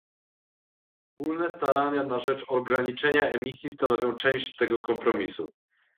Wspólne starania na rzecz ograniczenia emisji stanowią część tego kompromisu